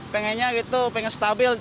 pengennya gitu pengen stabil